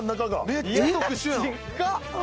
めっちゃ特殊やん！